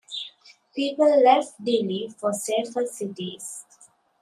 People left Delhi for safer cities.